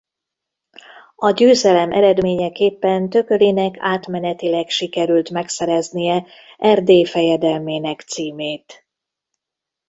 A győzelem eredményeképpen Thökölynek átmenetileg sikerült megszereznie Erdély fejedelmének címét.